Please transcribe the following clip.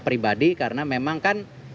pribadi karena memang kan